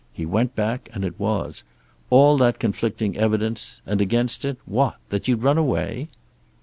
He went back and it was. All that conflicting evidence, and against it, what? That you'd run away!"